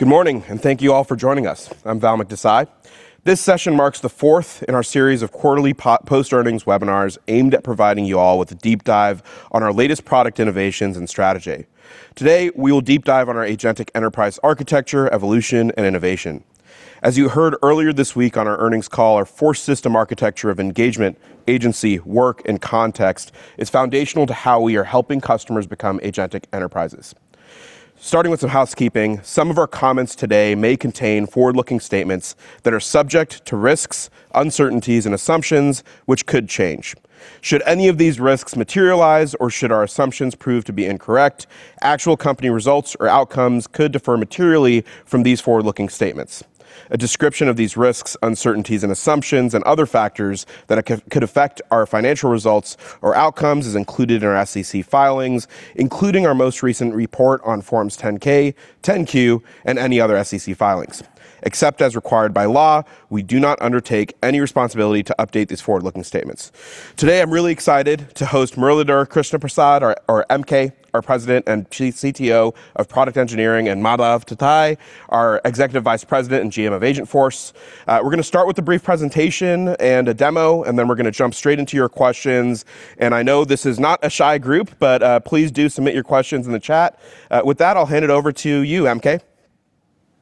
Good morning. Thank you all for joining us. I'm Valerie Mack. This session marks the fourth in our series of quarterly post-earnings webinars aimed at providing you all with a deep dive on our latest product innovations and strategy. Today, we will deep dive on our agentic enterprise architecture, evolution, and innovation. As you heard earlier this week on our earnings call, our four-system architecture of engagement, agency, work, and context is foundational to how we are helping customers become agentic enterprises. Starting with some housekeeping, some of our comments today may contain forward-looking statements that are subject to risks, uncertainties, and assumptions which could change. Should any of these risks materialize or should our assumptions prove to be incorrect, actual company results or outcomes could differ materially from these forward-looking statements. A description of these risks, uncertainties, and assumptions, and other factors that could affect our financial results or outcomes is included in our SEC filings, including our most recent report on Forms Form 10-K, Form 10-Q, and any other SEC filings. Except as required by law, we do not undertake any responsibility to update these forward-looking statements. Today, I'm really excited to host Muralidhar Krishnaprasad, or MK, our President and Chief CTO of Product Engineering, and Madhav Thattai, our Executive Vice President and GM of Agentforce. We're going to start with a brief presentation and a demo, and then we're going to jump straight into your questions. And I know this is not a shy group, but please do submit your questions in the chat. With that, I'll hand it over to you, MK.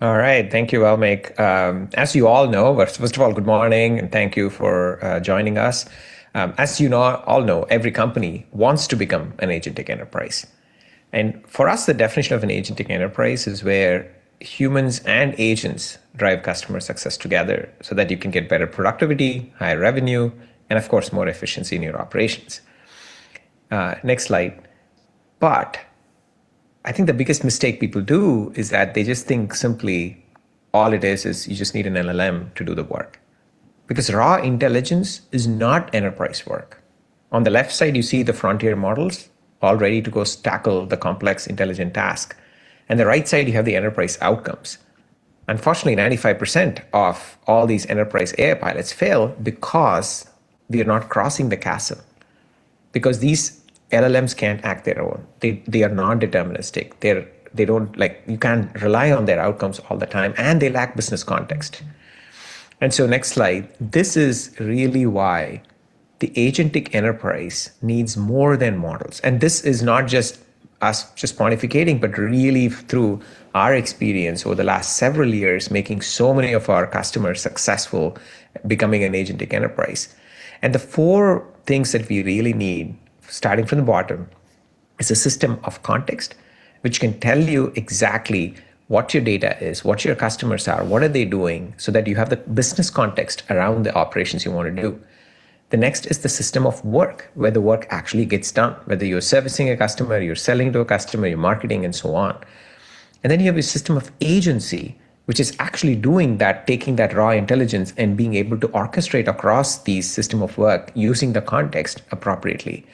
All right. Thank you, Val Mack. As you all know, first of all, good morning, and thank you for joining us. As you all know, every company wants to become an agentic enterprise, for us, the definition of an agentic enterprise is where humans and agents drive customer success together that you can get better productivity, higher revenue, and of course, more efficiency in your operations. Next slide. I think the biggest mistake people do is that they just think simply all it is is you just need an LLM to do the work, because raw intelligence is not enterprise work. On the left side, you see the frontier models all ready to go tackle the complex intelligent task, on the right side, you have the enterprise outcomes. Unfortunately, 95% of all these enterprise AI pilots fail because they are not crossing the chasm. These LLMs can't act their own, they are non-deterministic. You can't rely on their outcomes all the time, and they lack business context. Next slide. This is really why the agentic enterprise needs more than models. This is not just us just pontificating, but really through our experience over the last several years, making so many of our customers successful becoming an agentic enterprise. The four things that we really need, starting from the bottom, is a system of context, which can tell you exactly what your data is, what your customers are, what are they doing, so that you have the business context around the operations you want to do. The next is the system of work, where the work actually gets done, whether you're servicing a customer, you're selling to a customer, you're marketing, and so on. You have a system of agency, which is actually doing that, taking that raw intelligence and being able to orchestrate across the system of work, using the context appropriately.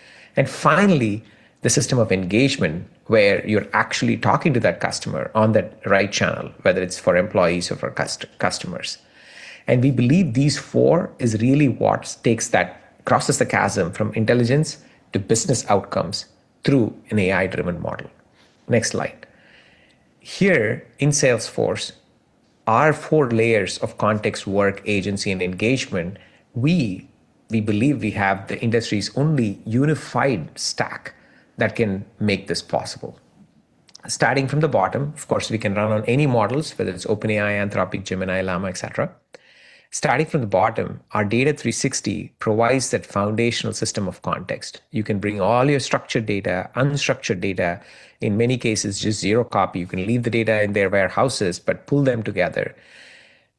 Finally, the system of engagement, where you're actually talking to that customer on that right channel, whether it's for employees or for customers. We believe these four is really what takes crosses the chasm from intelligence to business outcomes through an AI-driven model. Next slide. Here in Salesforce, our four layers of context, work, agency, and engagement, we believe we have the industry's only unified stack that can make this possible. Starting from the bottom, of course, we can run on any models, whether it's OpenAI, Anthropic, Gemini, Llama, et cetera. Starting from the bottom, our Data 360 provides that foundational system of context. You can bring all your structured data, unstructured data, in many cases, just zero copy. You can leave the data in their warehouses, but pull them together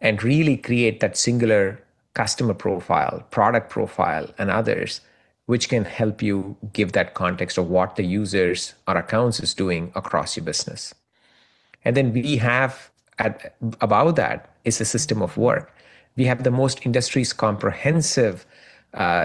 and really create that singular customer profile, product profile, and others, which can help you give that context of what the users or accounts is doing across your business. We have at, above that is a system of work. We have the most industry's comprehensive,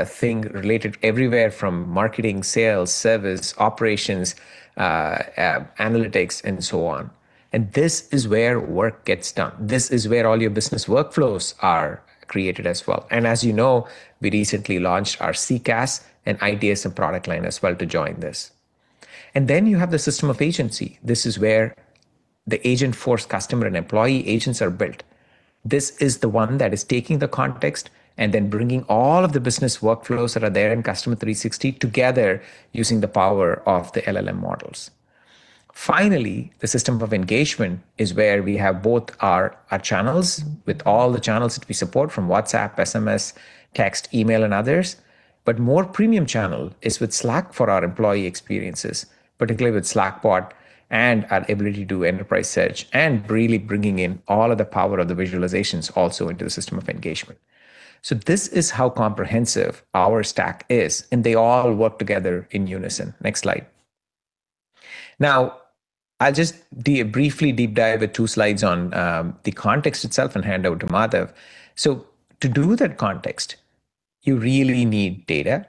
thing related everywhere from marketing, sales, service, operations, analytics, and so on. This is where work gets done. This is where all your business workflows are created as well. As you know, we recently launched our CCaaS and ideas and product line as well to join this. You have the system of agency. This is where the Agentforce customer and employee agents are built. This is the one that is taking the context and then bringing all of the business workflows that are there in Customer 360 together using the power of the LLM models. Finally, the system of engagement is where we have both our channels, with all the channels that we support from WhatsApp, SMS, text, email, and others. More premium channel is with Slack for our employee experiences, particularly with Slackbot and our ability to do enterprise search, and really bringing in all of the power of the visualizations also into the system of engagement. This is how comprehensive our stack is, and they all work together in unison. Next slide. Now, I'll just briefly deep dive at two slides on the context itself and hand over to Madhav. To do that context, you really need data,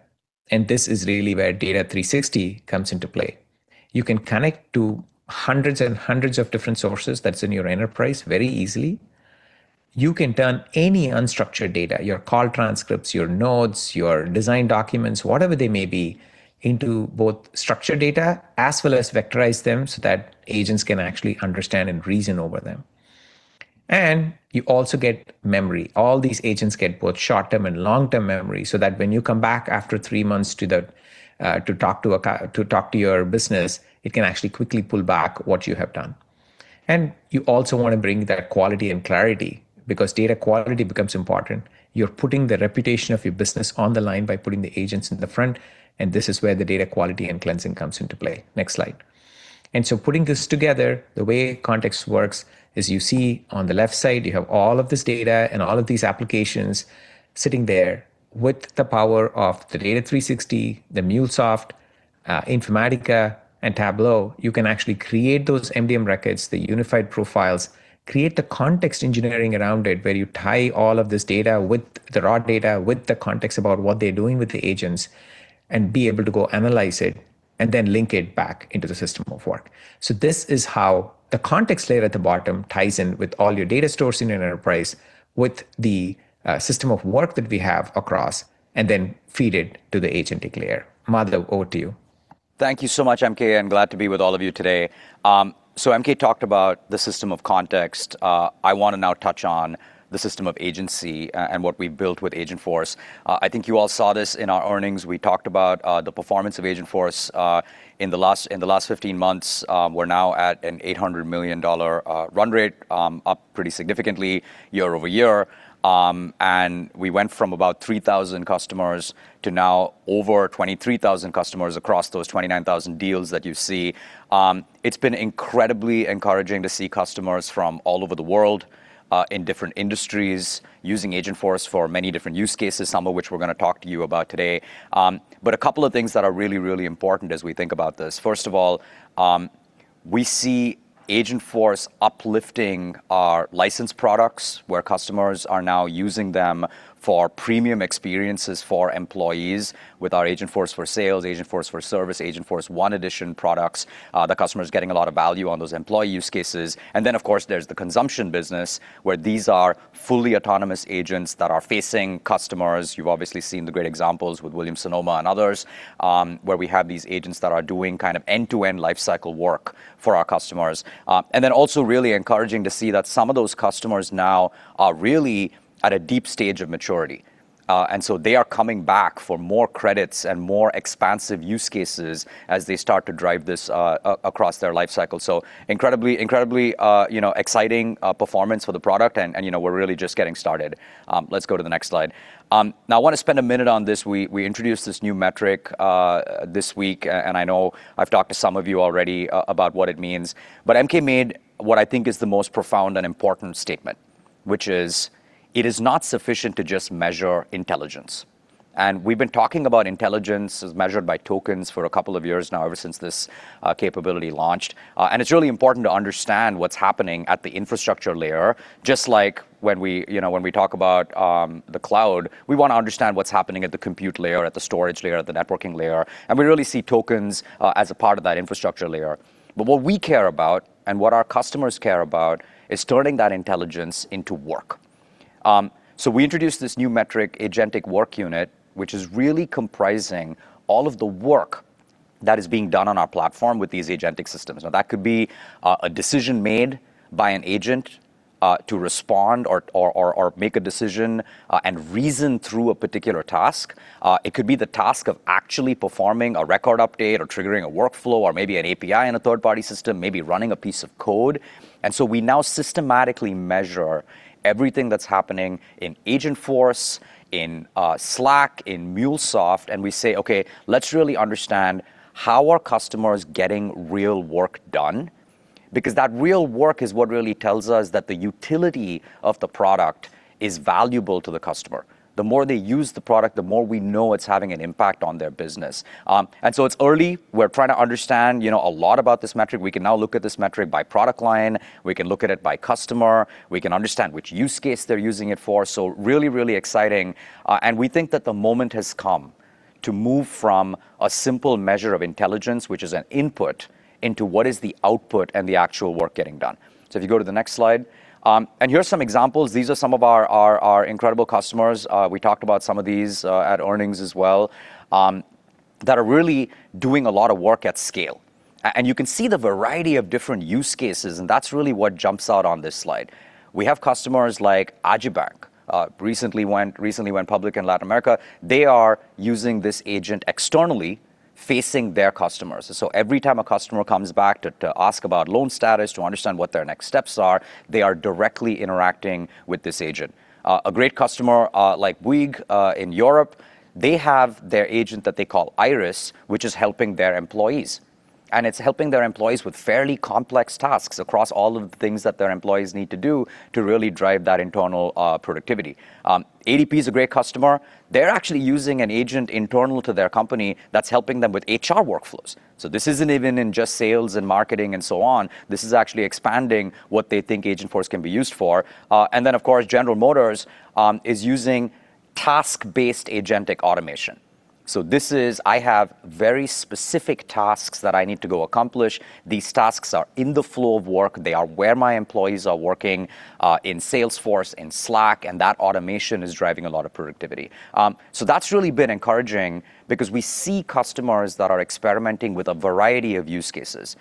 and this is really where Data 360 comes into play. You can connect to hundreds and hundreds of different sources that's in your enterprise very easily. You can turn any unstructured data, your call transcripts, your notes, your design documents, whatever they may be into both structured data as well as vectorize them so that agents can actually understand and reason over them. You also get memory. All these agents get both short-term and long-term memory, so that when you come back after three months to talk to your business, it can actually quickly pull back what you have done. You also want to bring that quality and clarity, because data quality becomes important. You're putting the reputation of your business on the line by putting the agents in the front, and this is where the data quality and cleansing comes into play. Next slide. Putting this together, the way context works is you see on the left side, you have all of this data and all of these applications sitting there with the power of the Data 360, the MuleSoft, Informatica, and Tableau. You can actually create those MDM records, the unified profiles, create the context engineering around it, where you tie all of this data with the raw data, with the context about what they're doing with the agents, and be able to go analyze it, and then link it back into the system of work. This is how the context layer at the bottom ties in with all your data stores in an enterprise with the system of work that we have across, and then feed it to the agentic layer. Madhav, over to you. Thank you so much, MK, and glad to be with all of you today. MK talked about the system of context. I want to now touch on the system of agency and what we've built with Agentforce. I think you all saw this in our earnings. We talked about the performance of Agentforce in the last 15 months. We're now at an $800 million run rate, up pretty significantly year-over-year. We went from about 3,000 customers to now over 23,000 customers across those 29,000 deals that you see. It's been incredibly encouraging to see customers from all over the world in different industries using Agentforce for many different use cases, some of which we're going to talk to you about today. A couple of things that are really, really important as we think about this. First of all, we see Agentforce uplifting our licensed products, where customers are now using them for premium experiences for employees with our Agentforce for Sales, Agentforce for Service, Agentforce One Edition products. The customer is getting a lot of value on those employee use cases. Of course, there's the consumption business, where these are fully autonomous agents that are facing customers. You've obviously seen the great examples with Williams-Sonoma and others, where we have these agents that are doing kind of end-to-end life cycle work for our customers. Also really encouraging to see that some of those customers now are really at a deep stage of maturity. They are coming back for more credits and more expansive use cases as they start to drive this across their life cycle. Incredibly, incredibly, you know, exciting performance for the product, and, you know, we're really just getting started. Let's go to the next slide. Now, I want to spend a minute on this. We introduced this new metric this week, I know I've talked to some of you already about what it means, but MK made what I think is the most profound and important statement, which is: It is not sufficient to just measure intelligence. We've been talking about intelligence as measured by tokens for a couple of years now, ever since this capability launched. It's really important to understand what's happening at the infrastructure layer. Just like when we, you know, when we talk about the cloud, we want to understand what's happening at the compute layer, at the storage layer, at the networking layer, and we really see tokens as a part of that infrastructure layer. What we care about and what our customers care about is turning that intelligence into work. We introduced this new metric, Agentic Work Unit, which is really comprising all of the work that is being done on our platform with these agentic systems. That could be a decision made by an agent to respond or make a decision and reason through a particular task. It could be the task of actually performing a record update or triggering a workflow, or maybe an API in a third-party system, maybe running a piece of code. We now systematically measure everything that's happening in Agentforce, in Slack, in MuleSoft, and we say, "Okay, let's really understand how are customers getting real work done?" Because that real work is what really tells us that the utility of the product is valuable to the customer. The more they use the product, the more we know it's having an impact on their business. It's early. We're trying to understand, you know, a lot about this metric. We can now look at this metric by product line, we can look at it by customer, we can understand which use case they're using it for, so really, really exciting. We think that the moment has come to move from a simple measure of intelligence, which is an input, into what is the output and the actual work getting done. If you go to the next slide. And here are some examples. These are some of our incredible customers, we talked about some of these at earnings as well, that are really doing a lot of work at scale. And you can see the variety of different use cases, and that's really what jumps out on this slide. We have customers like Agibank, recently went public in Latin America. They are using this agent externally, facing their customers. Every time a customer comes back to ask about loan status, to understand what their next steps are, they are directly interacting with this agent. A great customer, like Bouygues, in Europe, they have their agent that they call Iris, which is helping their employees, and it's helping their employees with fairly complex tasks across all of the things that their employees need to do to really drive that internal productivity. ADP is a great customer. They're actually using an agent internal to their company that's helping them with HR workflows. This isn't even in just sales and marketing and so on, this is actually expanding what they think Agentforce can be used for. Of course, General Motors is using task-based agentic automation. This is, I have very specific tasks that I need to go accomplish. These tasks are in the flow of work. They are where my employees are working, in Salesforce, in Slack, and that automation is driving a lot of productivity. That's really been encouraging because we see customers that are experimenting with a variety of use cases: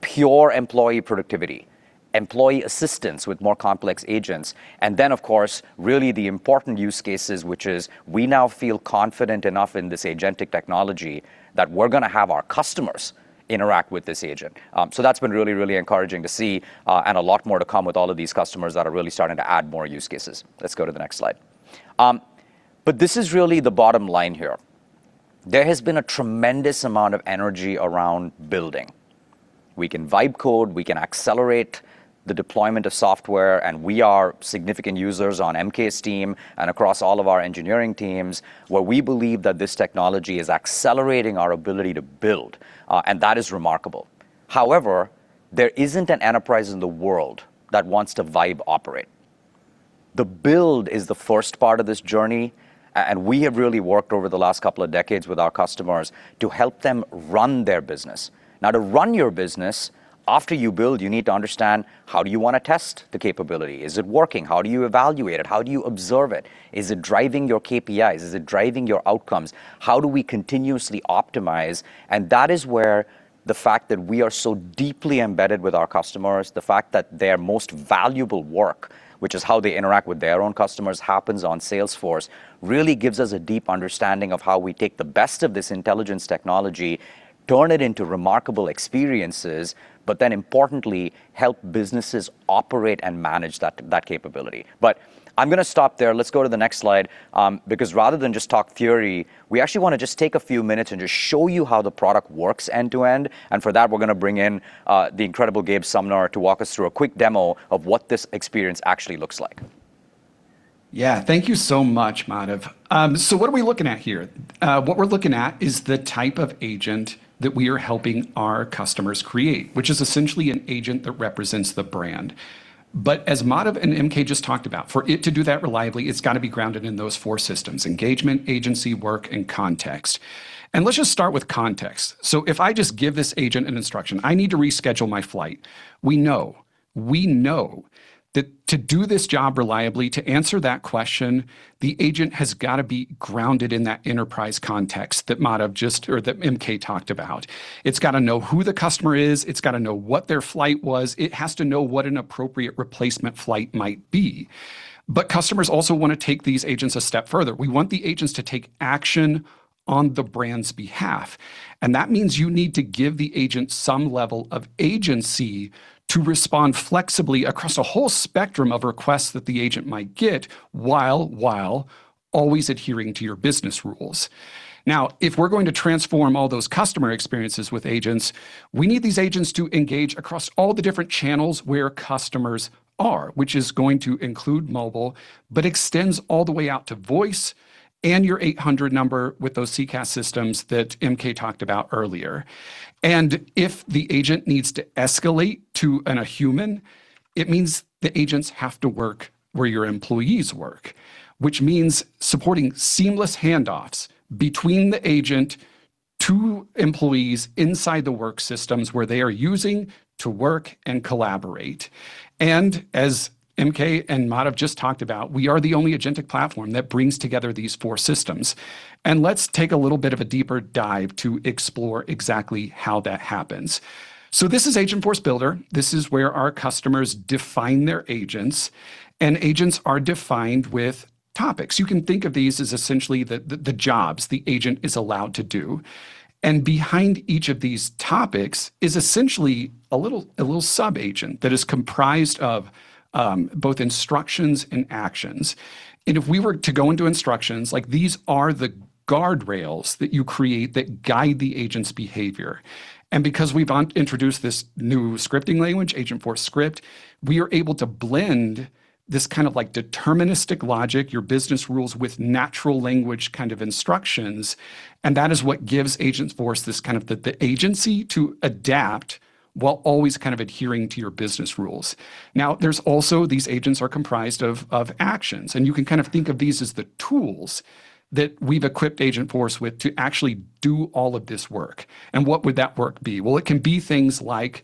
pure employee productivity, employee assistance with more complex agents, and then, of course, really the important use cases, which is we now feel confident enough in this agentic technology that we're gonna have our customers interact with this agent. That's been really, really encouraging to see, and a lot more to come with all of these customers that are really starting to add more use cases. Let's go to the next slide. This is really the bottom line here. There has been a tremendous amount of energy around building. We can vibe code, we can accelerate the deployment of software, we are significant users on MK's team and across all of our engineering teams, where we believe that this technology is accelerating our ability to build, and that is remarkable. However, there isn't an enterprise in the world that wants to vibe operate. The build is the first part of this journey, and we have really worked over the last couple of decades with our customers to help them run their business. Now, to run your business, after you build, you need to understand: how do you wanna test the capability? Is it working? How do you evaluate it? How do you observe it? Is it driving your KPIs? Is it driving your outcomes? How do we continuously optimize? That is where the fact that we are so deeply embedded with our customers, the fact that their most valuable work, which is how they interact with their own customers, happens on Salesforce, really gives us a deep understanding of how we take the best of this intelligence technology, turn it into remarkable experiences, but then importantly, help businesses operate and manage that capability. I'm gonna stop there. Let's go to the next slide, because rather than just talk theory, we actually wanna just take a few minutes and just show you how the product works end to end, and for that, we're gonna bring in, the incredible Gabe Sumner to walk us through a quick demo of what this experience actually looks like. Thank you so much, Madhav. What are we looking at here? What we're looking at is the type of agent that we are helping our customers create, which is essentially an agent that represents the brand. As Madhav and MK just talked about, for it to do that reliably, it's gotta be grounded in those four systems: engagement, agency, work, and context. Let's just start with context. If I just give this agent an instruction, "I need to reschedule my flight," we know that to do this job reliably, to answer that question, the agent has gotta be grounded in that enterprise context that Madhav or that MK talked about. It's gotta know who the customer is. It's gotta know what their flight was. It has to know what an appropriate replacement flight might be. Customers also wanna take these agents a step further. We want the agents to take action on the brand's behalf, and that means you need to give the agent some level of agency to respond flexibly across a whole spectrum of requests that the agent might get, while always adhering to your business rules. If we're going to transform all those customer experiences with agents, we need these agents to engage across all the different channels where customers are, which is going to include mobile, but extends all the way out to voice and your 800 number with those CCaaS systems that MK talked about earlier. If the agent needs to escalate to a human, it means the agents have to work where your employees work, which means supporting seamless handoffs between the agent to employees inside the work systems where they are using to work and collaborate. As MK and Madhav just talked about, we are the only agentic platform that brings together these four systems. Let's take a little bit of a deeper dive to explore exactly how that happens. This is Agentforce Builder. This is where our customers define their agents. Agents are defined with topics. You can think of these as essentially the jobs the agent is allowed to do. Behind each of these topics is essentially a little sub-agent that is comprised of both instructions and actions. If we were to go into instructions, like, these are the guardrails that you create that guide the agent's behavior. Because we've introduced this new scripting language, Agentforce Script, we are able to blend this kind of like deterministic logic, your business rules, with natural language kind of instructions, and that is what gives Agentforce this kind of the agency to adapt while always kind of adhering to your business rules. Now, there's also, these agents are comprised of actions, and you can kind of think of these as the tools that we've equipped Agentforce with to actually do all of this work. What would that work be? Well, it can be things like,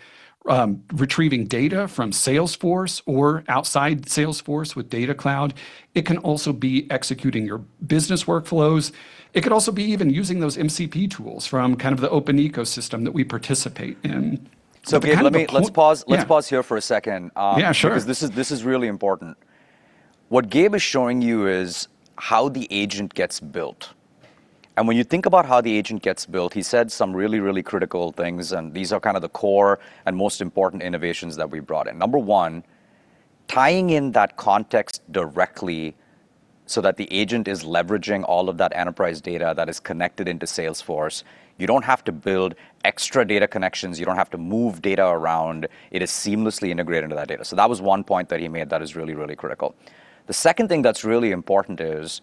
retrieving data from Salesforce or outside Salesforce with Data Cloud. It can also be executing your business workflows. It could also be even using those MCP tools from kind of the open ecosystem that we participate in. Gabe, let Yeah. Let's pause here for a second. Yeah, sure. This is really important. What Gabe is showing you is how the agent gets built. When you think about how the agent gets built, he said some really, really critical things. These are kind of the core and most important innovations that we brought in. Number one, tying in that context directly so that the agent is leveraging all of that enterprise data that is connected into Salesforce. You don't have to build extra data connections. You don't have to move data around. It is seamlessly integrated into that data. That was one point that he made that is really, really critical. The second thing that's really important is,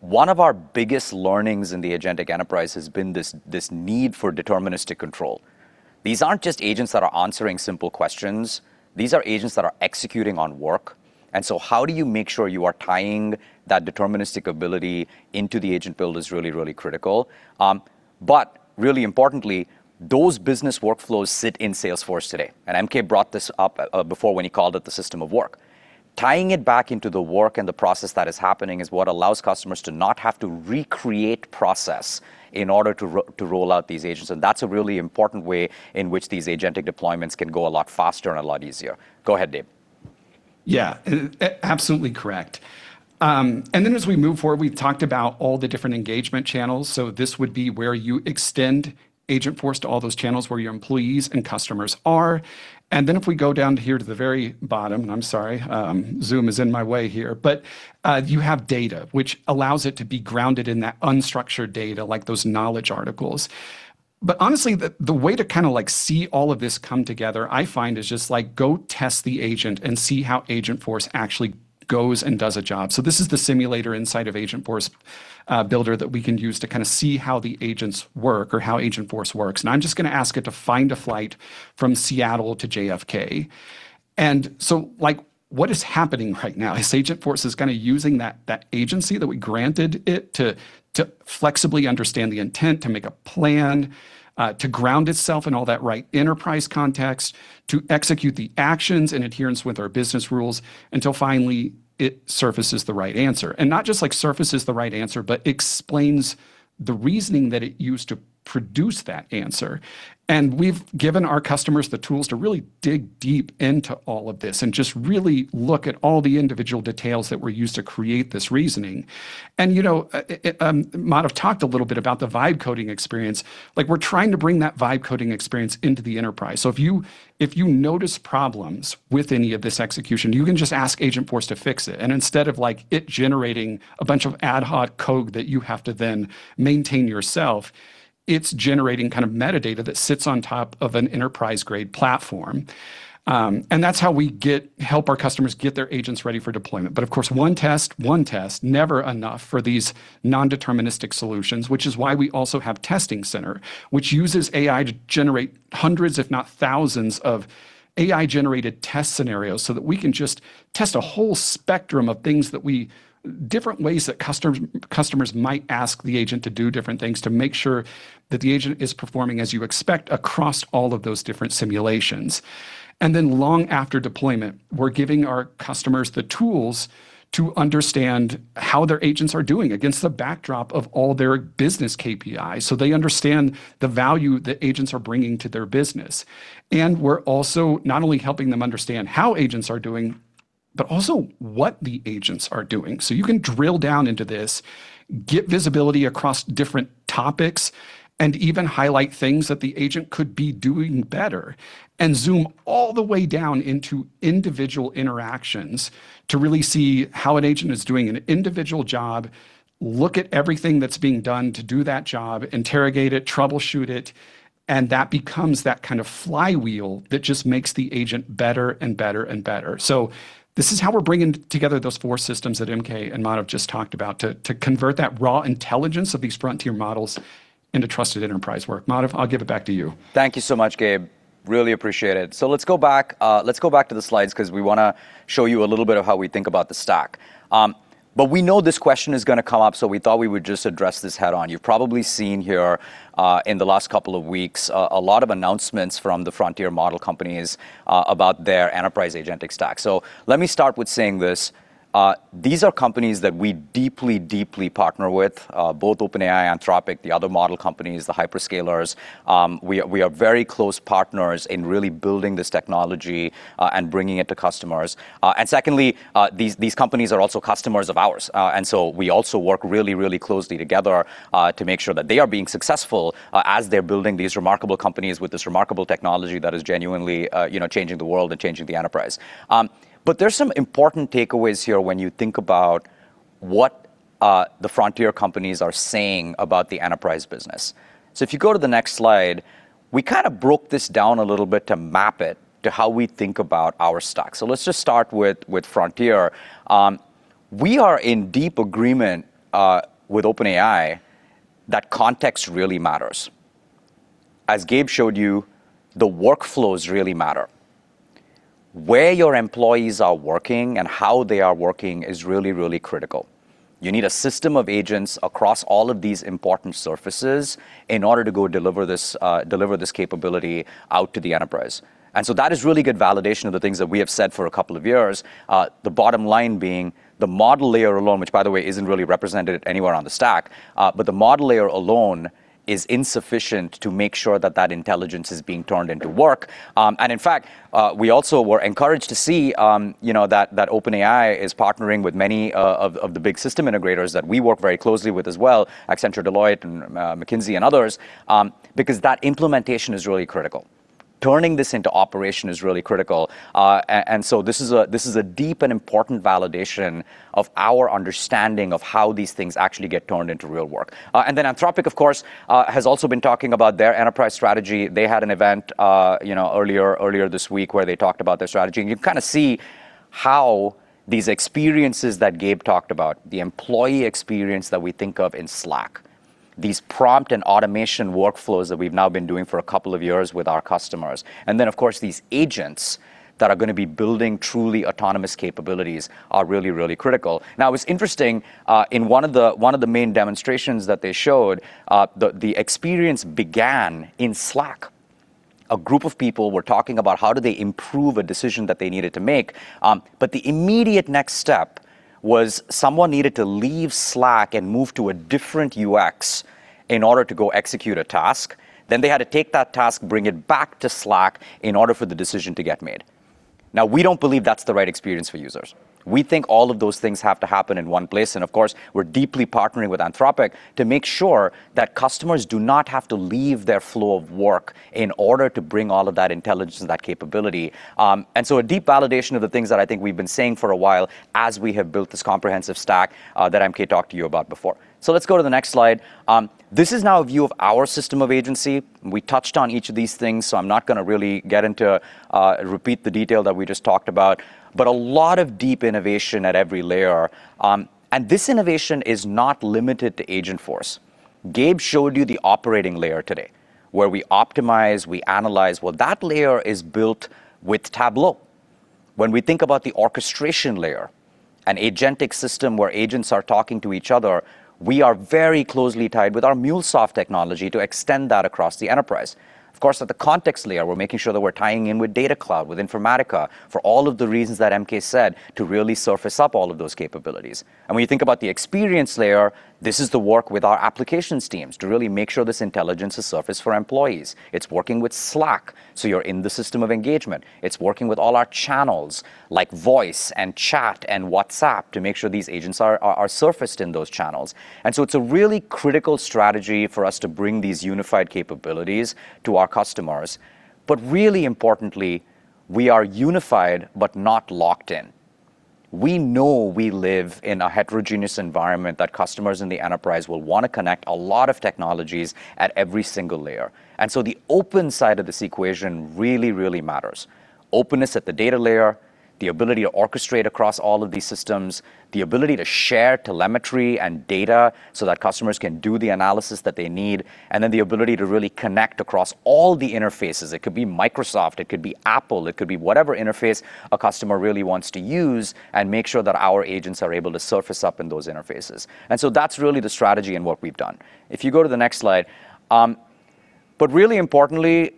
one of our biggest learnings in the agentic enterprise has been this need for deterministic control. These aren't just agents that are answering simple questions. These are agents that are executing on work. How do you make sure you are tying that deterministic ability into the Agent build is really critical. Really importantly, those business workflows sit in Salesforce today. MK brought this up before when he called it the system of work. Tying it back into the work and the process that is happening is what allows customers to not have to recreate process in order to roll out these agents. That's a really important way in which these agentic deployments can go a lot faster and a lot easier. Go ahead, Gabe. Yeah, absolutely correct. Then as we move forward, we've talked about all the different engagement channels, so this would be where you extend Agentforce to all those channels where your employees and customers are. Then if we go down here to the very bottom, and I'm sorry, Zoom is in my way here, but you have data, which allows it to be grounded in that unstructured data, like those knowledge articles. Honestly, the way to kinda like see all of this come together, I find, is just, like, go test the agent and see how Agentforce actually goes and does a job. This is the simulator inside of Agentforce Builder that we can use to kinda see how the agents work or how Agentforce works. I'm just gonna ask it to find a flight from Seattle to JFK. Like, what is happening right now is Agentforce is kinda using that agency that we granted it to flexibly understand the intent, to make a plan, to ground itself in all that right enterprise context, to execute the actions in adherence with our business rules, until finally it surfaces the right answer. Not just, like, surfaces the right answer, but explains the reasoning that it used to produce that answer. We've given our customers the tools to really dig deep into all of this and just really look at all the individual details that were used to create this reasoning. You know, Madhav talked a little bit about the vibe coding experience. Like, we're trying to bring that vibe coding experience into the enterprise. If you notice problems with any of this execution, you can just ask Agentforce to fix it, and instead of, like, it generating a bunch of ad hoc code that you have to then maintain yourself, it's generating kind of metadata that sits on top of an enterprise-grade platform. That's how we help our customers get their agents ready for deployment. Of course, one test never enough for these non-deterministic solutions, which is why we also have Testing Center, which uses AI to generate hundreds, if not thousands, of AI-generated test scenarios, so that we can just test a whole spectrum of things that different ways that customers might ask the agent to do different things, to make sure that the agent is performing as you expect across all of those different simulations. Long after deployment, we're giving our customers the tools to understand how their agents are doing against the backdrop of all their business KPIs, so they understand the value that agents are bringing to their business. We're also not only helping them understand how agents are doing, but also what the agents are doing. You can drill down into this, get visibility across different topics, and even highlight things that the agent could be doing better, and zoom all the way down into individual interactions to really see how an agent is doing an individual job, look at everything that's being done to do that job, interrogate it, troubleshoot it, and that becomes that kind of flywheel that just makes the agent better and better and better. This is how we're bringing together those four systems that MK and Madhav just talked about, to convert that raw intelligence of these frontier models into trusted enterprise work. Madhav, I'll give it back to you. Thank you so much, Gabe. Really appreciate it. Let's go back to the slides, 'cause we wanna show you a little bit of how we think about the stack. We know this question is gonna come up, we thought we would just address this head-on. You've probably seen here in the last couple of weeks a lot of announcements from the frontier model companies about their enterprise agentic stack. Let me start with saying this, these are companies that we deeply partner with, both OpenAI, Anthropic, the other model companies, the hyperscalers. We are very close partners in really building this technology and bringing it to customers. Secondly, these companies are also customers of ours. We also work really, really closely together to make sure that they are being successful as they're building these remarkable companies with this remarkable technology that is genuinely, you know, changing the world and changing the enterprise. There's some important takeaways here when you think about what the frontier companies are saying about the enterprise business. If you go to the next slide, we kind of broke this down a little bit to map it to how we think about our stack. Let's just start with frontier. We are in deep agreement with OpenAI that context really matters. As Gabe showed you, the workflows really matter. Where your employees are working and how they are working is really, really critical. You need a system of agents across all of these important surfaces in order to go deliver this, deliver this capability out to the enterprise. That is really good validation of the things that we have said for a couple of years, the bottom line being the model layer alone, which by the way, isn't really represented anywhere on the stack, but the model layer alone is insufficient to make sure that that intelligence is being turned into work. In fact, we also were encouraged to see, you know, that OpenAI is partnering with many of the big system integrators that we work very closely with as well, Accenture, Deloitte, and McKinsey, and others, because that implementation is really critical. Turning this into operation is really critical. This is a deep and important validation of our understanding of how these things actually get turned into real work. Anthropic, of course, has also been talking about their enterprise strategy. They had an event, you know, earlier this week, where they talked about their strategy. You kind of see how these experiences that Gabe talked about, the employee experience that we think of in Slack- these prompt and automation workflows that we've now been doing for a couple of years with our customers, and then, of course, these agents that are gonna be building truly autonomous capabilities are really critical. It's interesting, in one of the main demonstrations that they showed, the experience began in Slack. A group of people were talking about how do they improve a decision that they needed to make, but the immediate next step was someone needed to leave Slack and move to a different UX in order to go execute a task. They had to take that task, bring it back to Slack in order for the decision to get made. Now, we don't believe that's the right experience for users. We think all of those things have to happen in one place, and of course, we're deeply partnering with Anthropic to make sure that customers do not have to leave their flow of work in order to bring all of that intelligence and that capability. A deep validation of the things that I think we've been saying for a while as we have built this comprehensive stack, that MK talked to you about before. Let's go to the next slide. This is now a view of our system of agency. We touched on each of these things, so I'm not gonna really get into, repeat the detail that we just talked about, but a lot of deep innovation at every layer. This innovation is not limited to Agentforce. Gabe showed you the operating layer today, where we optimize, we analyze. Well, that layer is built with Tableau. When we think about the orchestration layer, an agentic system where agents are talking to each other, we are very closely tied with our MuleSoft technology to extend that across the enterprise. Of course, at the context layer, we're making sure that we're tying in with Data Cloud, with Informatica, for all of the reasons that MK said, to really surface up all of those capabilities. When you think about the experience layer, this is the work with our applications teams to really make sure this intelligence is surfaced for employees. It's working with Slack, so you're in the system of engagement. It's working with all our channels, like voice and chat and WhatsApp, to make sure these agents are surfaced in those channels. It's a really critical strategy for us to bring these unified capabilities to our customers, but really importantly, we are unified, but not locked in. We know we live in a heterogeneous environment, that customers in the enterprise will wanna connect a lot of technologies at every single layer. The open side of this equation really, really matters. Openness at the data layer, the ability to orchestrate across all of these systems, the ability to share telemetry and data so that customers can do the analysis that they need. The ability to really connect across all the interfaces. It could be Microsoft, it could be Apple, it could be whatever interface a customer really wants to use, and make sure that our agents are able to surface up in those interfaces. That's really the strategy and what we've done. If you go to the next slide. Really importantly,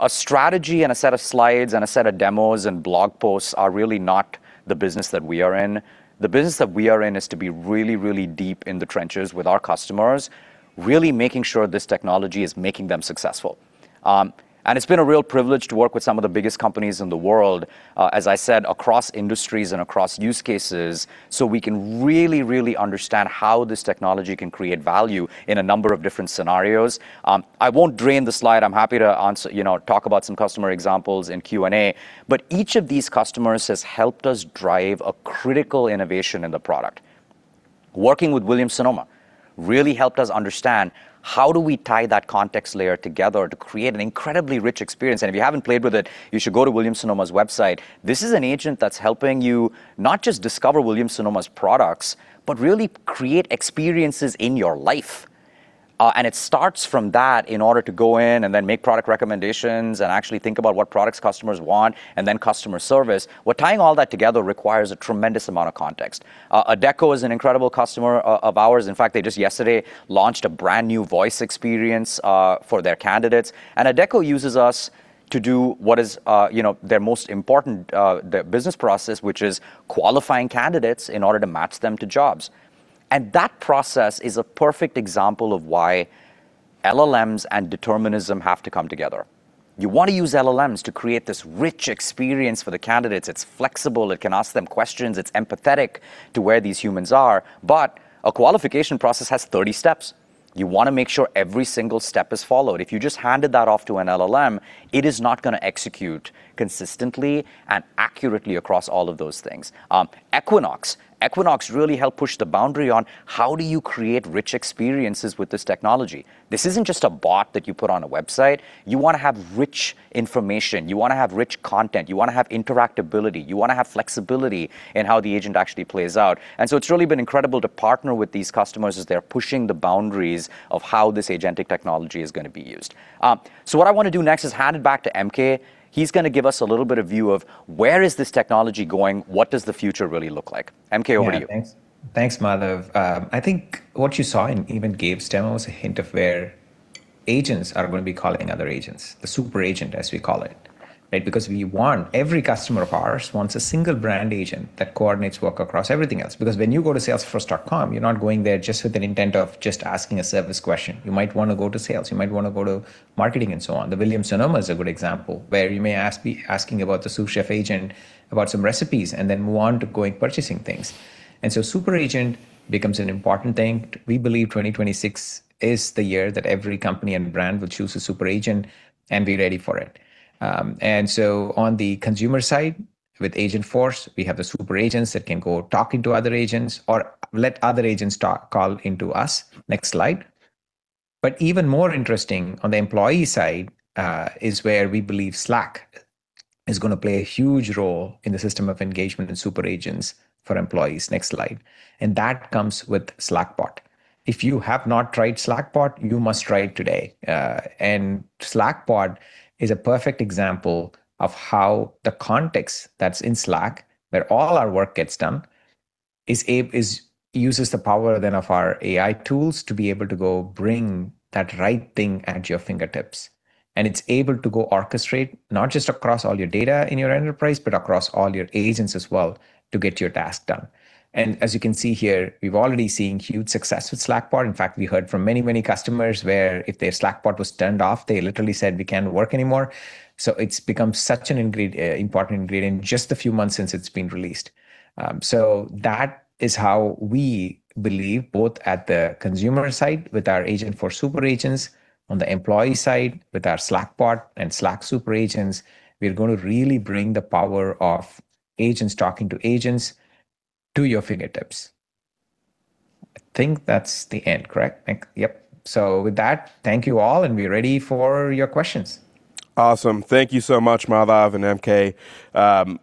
a strategy and a set of slides and a set of demos and blog posts are really not the business that we are in. The business that we are in is to be really deep in the trenches with our customers, really making sure this technology is making them successful. It's been a real privilege to work with some of the biggest companies in the world, as I said, across industries and across use cases, so we can really understand how this technology can create value in a number of different scenarios. I won't drain the slide. I'm happy to, you know, talk about some customer examples in Q&A, but each of these customers has helped us drive a critical innovation in the product. Working with Williams-Sonoma really helped us understand, how do we tie that context layer together to create an incredibly rich experience? If you haven't played with it, you should go to Williams-Sonoma's website. This is an agent that's helping you not just discover Williams-Sonoma's products, but really create experiences in your life. It starts from that in order to go in and then make product recommendations and actually think about what products customers want, and then customer service. Well, tying all that together requires a tremendous amount of context. Adecco is an incredible customer of ours. In fact, they just yesterday launched a brand-new voice experience for their candidates. Adecco uses us to do what is, you know, their most important business process, which is qualifying candidates in order to match them to jobs. That process is a perfect example of why LLMs and determinism have to come together. You want to use LLMs to create this rich experience for the candidates. It's flexible, it can ask them questions, it's empathetic to where these humans are. A qualification process has 30 steps. You wanna make sure every single step is followed. If you just handed that off to an LLM, it is not gonna execute consistently and accurately across all of those things. Equinox. Equinox really helped push the boundary on, how do you create rich experiences with this technology? This isn't just a bot that you put on a website. You wanna have rich information, you wanna have rich content, you wanna have interactability, you wanna have flexibility in how the agent actually plays out. It's really been incredible to partner with these customers as they're pushing the boundaries of how this agentic technology is gonna be used. What I wanna do next is hand it back to MK. He's gonna give us a little bit of view of where is this technology going? What does the future really look like? MK, over to you. Thanks. Thanks, Madhav. I think what you saw in even Gabe's demo is a hint of where agents are gonna be calling other agents, the super agent, as we call it, right? Every customer of ours wants a single brand agent that coordinates work across everything else. Because when you go to Salesforce.com, you're not going there just with an intent of just asking a service question. You might wanna go to sales, you might wanna go to marketing, and so on. The Williams-Sonoma is a good example, where you may be asking about the sous chef agent about some recipes, and then move on to going purchasing things. Super agent becomes an important thing. We believe 2026 is the year that every company and brand will choose a super agent and be ready for it. On the consumer side, with Agentforce, we have the super agents that can go talking to other agents or let other agents talk, call into us. Next slide. Even more interesting on the employee side, is where we believe Slack is gonna play a huge role in the system of engagement and super agents for employees. Next slide. That comes with Slackbot. If you have not tried Slackbot, you must try it today. Slackbot is a perfect example of how the context that's in Slack, where all our work gets done uses the power then of our AI tools to be able to go bring that right thing at your fingertips, and it's able to go orchestrate, not just across all your data in your enterprise, but across all your agents as well to get your task done. As you can see here, we've already seen huge success with Slackbot. In fact, we heard from many, many customers where if their Slackbot was turned off, they literally said, "We can't work anymore." It's become such an important ingredient in just a few months since it's been released. That is how we believe, both at the consumer side with our Agentforce super agents, on the employee side with our Slackbot and Slack super agents, we're gonna really bring the power of agents talking to agents to your fingertips. I think that's the end, correct? I think. Yep. With that, thank you all, and we're ready for your questions. Awesome. Thank you so much, Madhav and MK.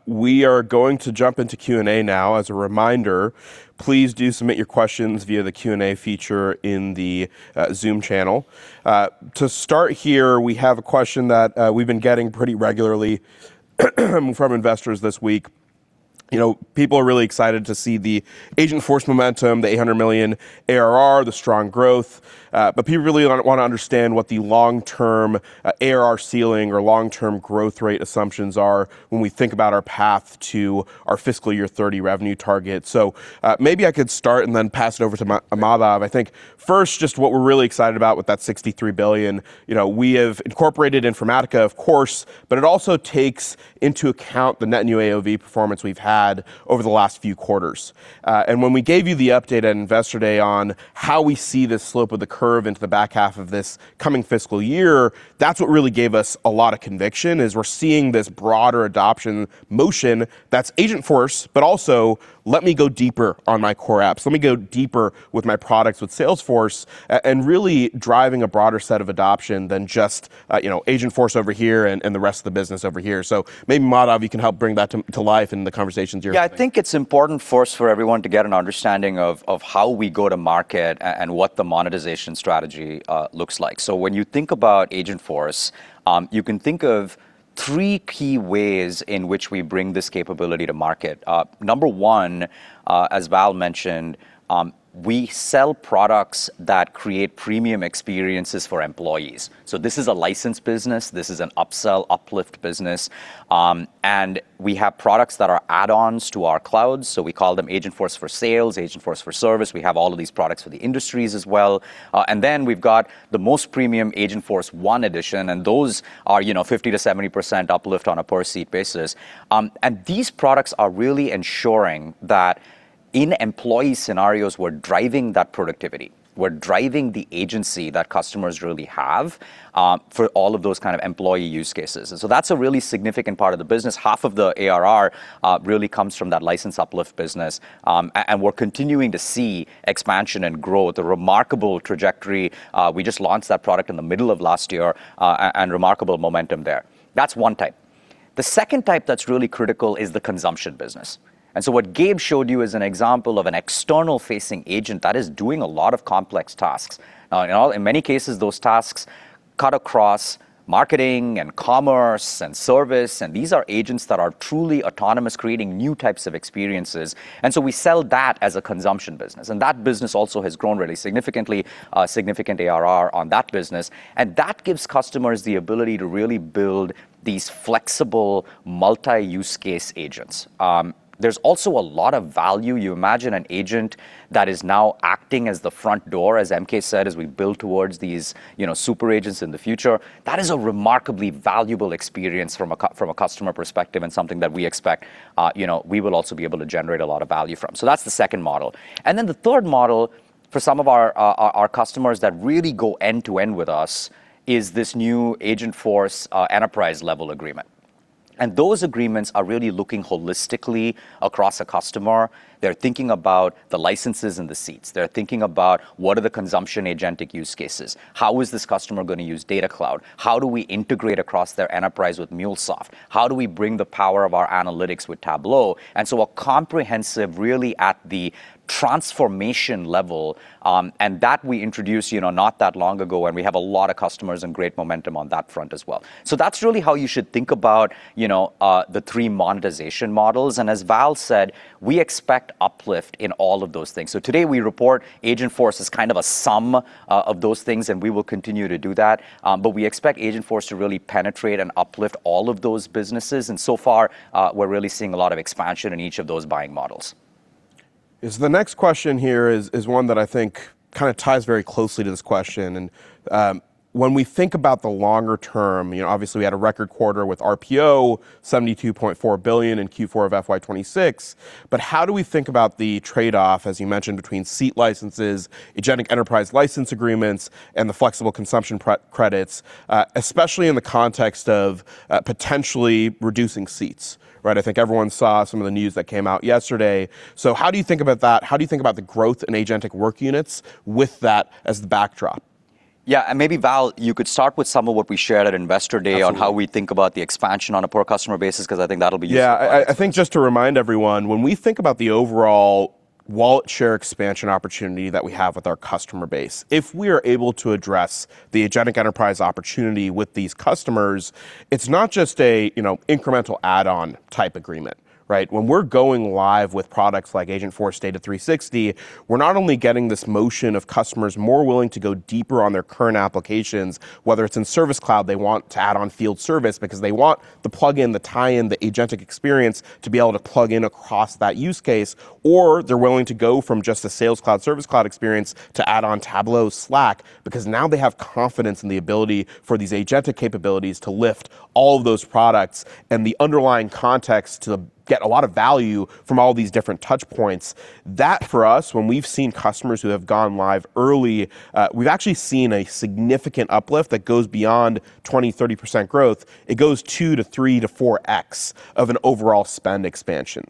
We are going to jump into Q&A now. As a reminder, please do submit your questions via the Q&A feature in the Zoom channel. To start here, we have a question that we've been getting pretty regularly from investors this week. You know, people are really excited to see the Agentforce momentum, the $800 million ARR, the strong growth, but people really wanna understand what the long-term ARR ceiling or long-term growth rate assumptions are when we think about our path to our fiscal year 2030 revenue target. Maybe I could start and then pass it over to Madhav. I think first just what we're really excited about with that $63 billion, you know, we have incorporated Informatica, of course, but it also takes into account the net new AOV performance we've had over the last few quarters. And when we gave you the update at Investor Day on how we see the slope of the curve into the back half of this coming fiscal year, that's what really gave us a lot of conviction, is we're seeing this broader adoption motion that's Agentforce, but also let me go deeper on my core apps. Let me go deeper with my products with Salesforce and really driving a broader set of adoption than just, you know, Agentforce over here and the rest of the business over here. Maybe, Madhav, you can help bring that to life in the conversations you're having. Yeah, I think it's important for us for everyone to get an understanding of how we go to market and what the monetization strategy looks like. When you think about Agentforce, you can think of three key ways in which we bring this capability to market. Number one, as Val mentioned, we sell products that create premium experiences for employees. This is a licensed business. This is an upsell, uplift business, and we have products that are add-ons to our cloud, so we call them Agentforce for Sales, Agentforce for Service. We have all of these products for the industries as well. We've got the most premium Agentforce One Edition, and those are, you know, 50%-70% uplift on a per-seat basis. These products are really ensuring that in employee scenarios, we're driving that productivity. We're driving the agency that customers really have, for all of those kind of employee use cases. That's a really significant part of the business. Half of the ARR really comes from that license uplift business, and we're continuing to see expansion and growth, a remarkable trajectory. We just launched that product in the middle of last year, and remarkable momentum there. That's one type. The second type that's really critical is the consumption business, what Gabe showed you is an example of an external-facing agent that is doing a lot of complex tasks. In many cases, those tasks cut across marketing and commerce and service. These are agents that are truly autonomous, creating new types of experiences. We sell that as a consumption business. That business also has grown really significantly, significant ARR on that business. That gives customers the ability to really build these flexible multi-use case agents. There's also a lot of value. You imagine an agent that is now acting as the front door, as MK said, as we build towards these, you know, super agents in the future. That is a remarkably valuable experience from a customer perspective and something that we expect, you know, we will also be able to generate a lot of value from. That's the second model. The third model for some of our customers that really go end-to-end with us is this new Agentforce enterprise-level agreement, those agreements are really looking holistically across a customer. They're thinking about the licenses and the seats. They're thinking about what are the consumption agentic use cases. How is this customer gonna use Data Cloud? How do we integrate across their enterprise with MuleSoft? How do we bring the power of our analytics with Tableau? A comprehensive really at the transformation level, and that we introduced, you know, not that long ago, and we have a lot of customers and great momentum on that front as well. That's really how you should think about, you know, the three monetization models. As Val said, we expect uplift in all of those things. Today we report Agentforce as kind of a sum of those things, and we will continue to do that. We expect Agentforce to really penetrate and uplift all of those businesses, and so far, we're really seeing a lot of expansion in each of those buying models. Yes, the next question here is one that I think kinda ties very closely to this question, when we think about the longer term, you know, obviously we had a record quarter with RPO $72.4 billion in Q4 of FY 2026, but how do we think about the trade-off, as you mentioned, between seat licenses, agentic enterprise license agreements, and the flexible consumption credits, especially in the context of potentially reducing seats, right? I think everyone saw some of the news that came out yesterday. How do you think about that? How do you think about the growth in Agentic Work Units with that as the backdrop? Yeah, maybe Val, you could start with some of what we shared at Investor Day. Absolutely. on how we think about the expansion on a per customer basis, 'cause I think that'll be useful. Yeah, I think just to remind everyone, when we think about the overall wallet share expansion opportunity that we have with our customer base, if we are able to address the agentic enterprise opportunity with these customers, it's not just a, you know, incremental add-on type agreement, right? When we're going live with products like Agentforce Data 360, we're not only getting this motion of customers more willing to go deeper on their current applications, whether it's in Service Cloud, they want to add on field service because they want the plug-in, the tie-in, the agentic experience to be able to plug in across that use case, or they're willing to go from just a Sales Cloud, Service Cloud experience to add on Tableau, Slack, because now they have confidence in the ability for these agentic capabilities to lift all of those products and the underlying context to get a lot of value from all these different touch points. That, for us, when we've seen customers who have gone live early, we've actually seen a significant uplift that goes beyond 20%-30% growth. It goes two to three to 4X of an overall spend expansion.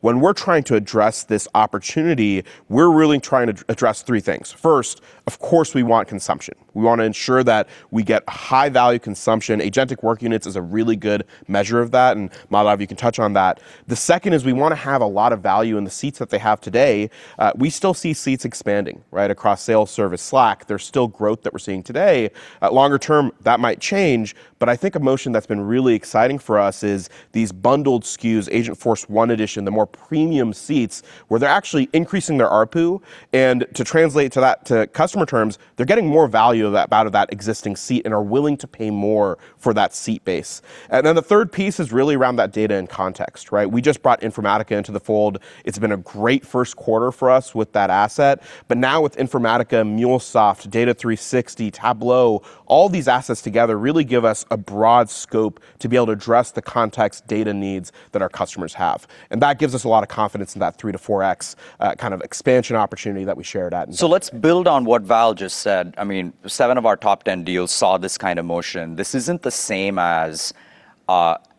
When we're trying to address this opportunity, we're really trying to address three things. First, of course, we want consumption. We want to ensure that we get high-value consumption. Agentic Work Units is a really good measure of that, and Madhav, you can touch on that. The second is, we want to have a lot of value in the seats that they have today. We still see seats expanding, right? Across Sales Service, Slack, there's still growth that we're seeing today. Longer term, that might change, but I think a motion that's been really exciting for us is these bundled SKUs, Einstein 1 Edition, the more premium seats, where they're actually increasing their ARPU. To translate to that, to customer terms, they're getting more value out of that existing seat and are willing to pay more for that seat base. The third piece is really around that data and context, right? We just brought Informatica into the fold. It's been a great first quarter for us with that asset, but now with Informatica, MuleSoft, Data 360, Tableau, all these assets together really give us a broad scope to be able to address the context data needs that our customers have. That gives us a lot of confidence in that 3-4x kind of expansion opportunity that we shared at. Let's build on what Val Mack just said. I mean, seven of our top 10 deals saw this kind of motion. This isn't the same as,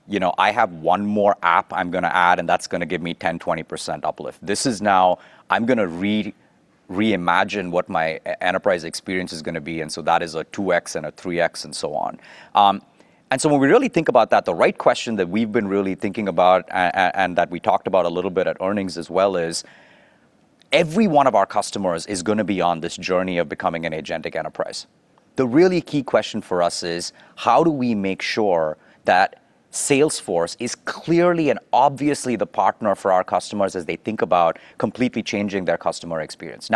you know, "I have one more app I'm gonna add, and that's gonna give me 10%, 20% uplift." This is now, "I'm gonna reimagine what my enterprise experience is gonna be," that is a 2x and a 3x, and so on. When we really think about that, the right question that we've been really thinking about and that we talked about a little bit at earnings as well, is every one of our customers is gonna be on this journey of becoming an agentic enterprise. The really key question for us is: how do we make sure that Salesforce is clearly and obviously the partner for our customers as they think about completely changing their customer experience?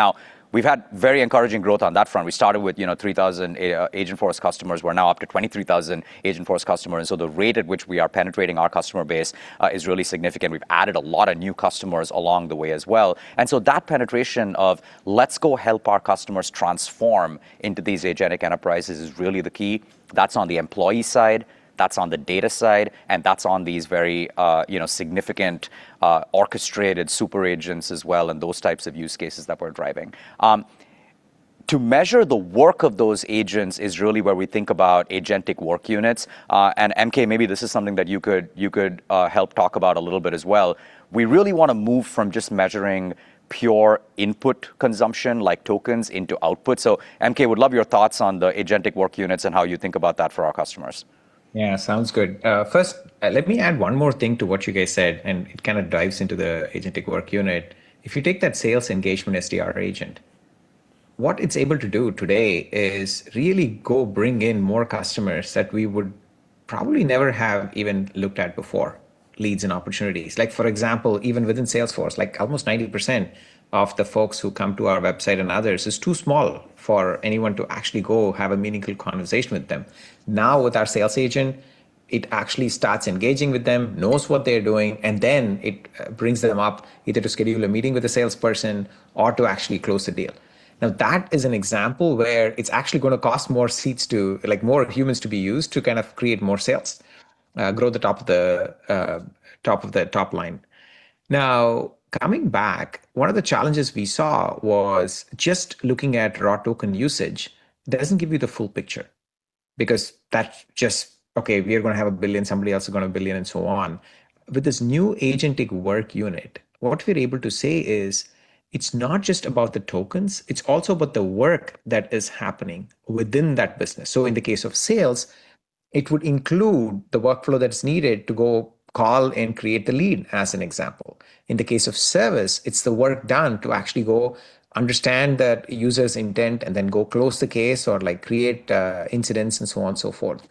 We've had very encouraging growth on that front. We started with, you know, 3,000 Agentforce customers. We're now up to 23,000 Agentforce customers, the rate at which we are penetrating our customer base is really significant. We've added a lot of new customers along the way as well. That penetration of, "Let's go help our customers transform into these agentic enterprises," is really the key. That's on the employee side, that's on the data side, and that's on these very, you know, significant, orchestrated super agents as well, those types of use cases that we're driving. To measure the work of those agents is really where we think about Agentic Work Units. MK, maybe this is something that you could, you could, help talk about a little bit as well. We really want to move from just measuring pure input consumption, like tokens, into output. MK, would love your thoughts on the Agentic Work Units and how you think about that for our customers. Yeah, sounds good. First, let me add one more thing to what you guys said. It kind of dives into the Agentic Work Unit. If you take that sales engagement SDR Agent, what it's able to do today is really go bring in more customers that we would probably never have even looked at before, leads and opportunities. Like, for example, even within Salesforce, like, almost 90% of the folks who come to our website and others is too small for anyone to actually go have a meaningful conversation with them. With our sales agent, it actually starts engaging with them, knows what they're doing, and then it brings them up either to schedule a meeting with a salesperson or to actually close the deal. That is an example where it's actually gonna cost more seats to like, more humans to be used to kind of create more sales, grow the top of the top line. Coming back, one of the challenges we saw was just looking at raw token usage doesn't give you the full picture. That's just, "Okay, we are gonna have 1 billion, somebody else is gonna have 1 billion. So on." With this new Agentic Work Unit, what we're able to say is, it's not just about the tokens, it's also about the work that is happening within that business. In the case of sales, it would include the workflow that's needed to go call and create the lead, as an example. In the case of service, it's the work done to actually go understand that user's intent and then go close the case or, like, create incidents, and so on and so forth.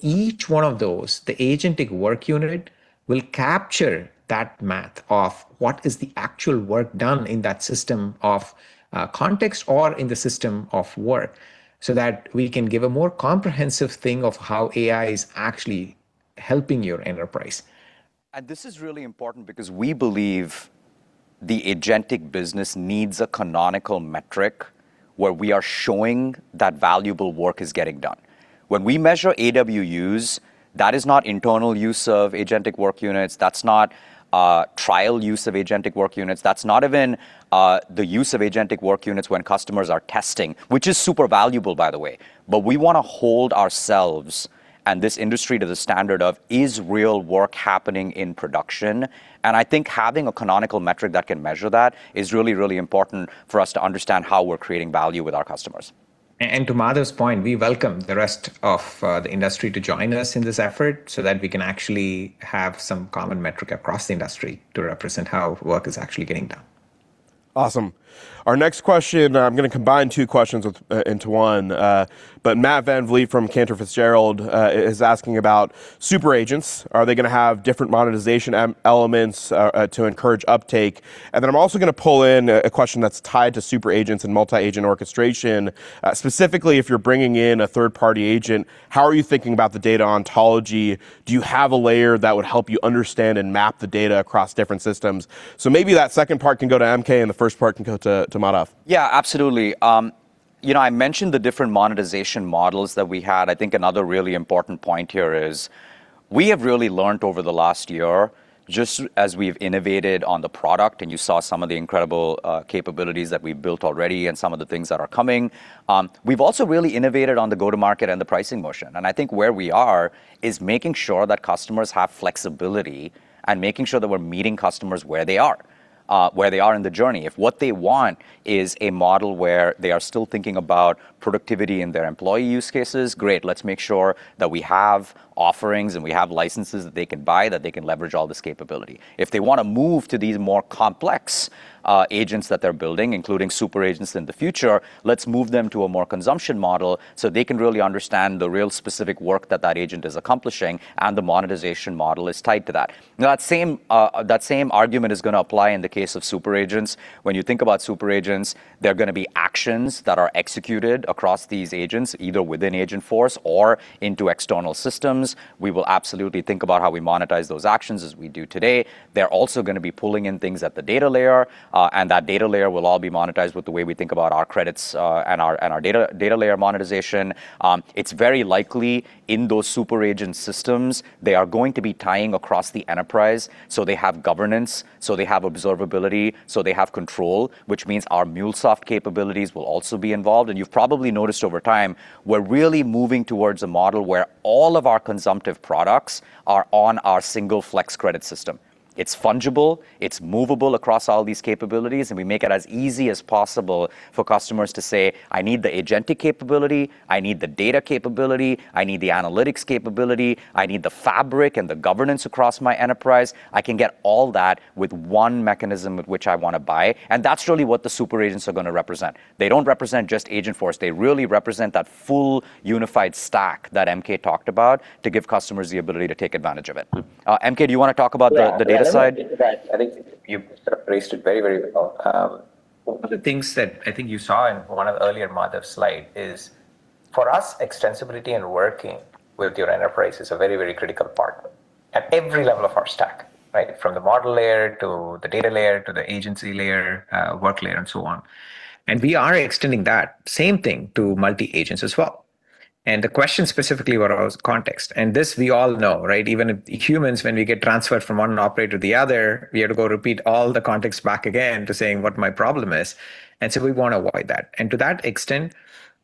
Each one of those, the Agentic Work Unit will capture that math of what is the actual work done in that system of context or in the system of work, so that we can give a more comprehensive thing of how AI is actually helping your enterprise. This is really important because we believe the agentic business needs a canonical metric where we are showing that valuable work is getting done. When we measure AWUs, that is not internal use of Agentic Work Units, that's not trial use of Agentic Work Units, that's not even the use of Agentic Work Units when customers are testing, which is super valuable, by the way. We want to hold ourselves and this industry to the standard of: Is real work happening in production? I think having a canonical metric that can measure that is really, really important for us to understand how we're creating value with our customers. To Madhav's point, we welcome the rest of the industry to join us in this effort so that we can actually have some common metric across the industry to represent how work is actually getting done. Awesome. Our next question, I'm gonna combine two questions with into one. Matt VanVliet from Cantor Fitzgerald is asking about super agents. Are they gonna have different monetization elements to encourage uptake? I'm also gonna pull in a question that's tied to super agents and multi-agent orchestration. Specifically, if you're bringing in a third-party agent, how are you thinking about the data ontology? Do you have a layer that would help you understand and map the data across different systems? Maybe that second part can go to MK, and the first part can go to Madhav. Yeah, absolutely. You know, I mentioned the different monetization models that we had. I think another really important point here is we have really learned over the last year, just as we've innovated on the product, and you saw some of the incredible capabilities that we've built already and some of the things that are coming, we've also really innovated on the go-to-market and the pricing motion. I think where we are is making sure that customers have flexibility and making sure that we're meeting customers where they are, where they are in the journey. If what they want is a model where they are still thinking about productivity in their employee use cases, great, let's make sure that we have offerings and we have licenses that they can buy, that they can leverage all this capability. If they wanna move to these more complex agents that they're building, including super agents in the future, let's move them to a more consumption model so they can really understand the real specific work that that agent is accomplishing, and the monetization model is tied to that. That same argument is gonna apply in the case of super agents. When you think about super agents, there are gonna be actions that are executed across these agents, either within Agentforce or into external systems. We will absolutely think about how we monetize those actions as we do today. They're also gonna be pulling in things at the data layer, that data layer will all be monetized with the way we think about our credits, our data layer monetization. It's very likely in those super agent systems, they are going to be tying across the enterprise, so they have governance, so they have observability, so they have control, which means our MuleSoft capabilities will also be involved. You've probably noticed over time, we're really moving towards a model where all of our consumptive products are on our single Flex Credit system. It's fungible, it's movable across all these capabilities, and we make it as easy as possible for customers to say, "I need the agentic capability, I need the data capability, I need the analytics capability, I need the fabric and the governance across my enterprise. I can get all that with one mechanism with which I wanna buy." That's really what the super agents are gonna represent. They don't represent just Agentforce, they really represent that full unified stack that MK talked about to give customers the ability to take advantage of it. Mm. MK, do you wanna talk about the data side? Yeah, I think that you've sort of raised it very, very well. One of the things that I think you saw in one of the earlier Madhav's slide is, for us, extensibility and working with your enterprise is a very, very critical part at every level of our stack, right? From the model layer, to the data layer, to the agency layer, work layer, and so on. We are extending that same thing to multi-agents as well. The question specifically was around context, and this we all know, right? Even humans, when we get transferred from one operator to the other, we have to go repeat all the context back again to saying what my problem is, and so we wanna avoid that. To that extent,